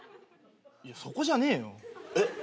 いやそこじゃねえよ。